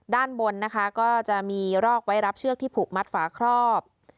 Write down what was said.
ด้านบนนะคะก็จะมีรอกไว้รับเชือกที่ผูกมัดฝาครอบ